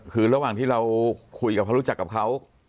คือระหว่างที่เราคุยกับเขารู้จักกับเขา